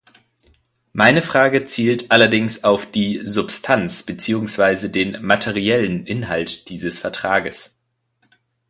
Meine Frage zielt allerdings auf die Substanz beziehungsweise den materiellen Inhalt dieses Vertrages.